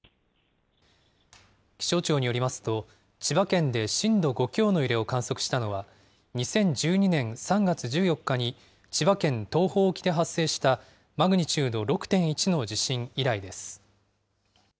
気象庁によりますと、千葉県で震度５強の揺れを観測したのは、２０１２年３月１４日に、千葉県東方沖で発生したマグニチュード６．１の地震以来です。